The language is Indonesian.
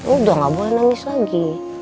udah gak boleh nangis lagi